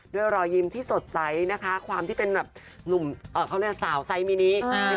ด้วยรอยยิ้มที่สดไซส์นะคะความที่เป็นแบบหนุ่มเอ่อเขาเรียกว่าสาวไซส์มินิอ่า